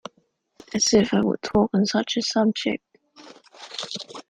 As if I would talk on such a subject!